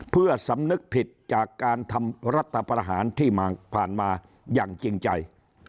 เพื่อสำนึกผิดจากการทำรัฐประหารที่ผ่านมาอย่างจริงใจ